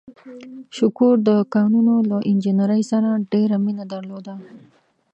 شکور د کانونو له انجنیرۍ سره ډېره مینه درلوده.